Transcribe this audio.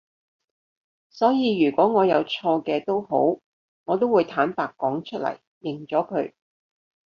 所以如果我有錯嘅都好我都會坦白講出嚟，認咗佢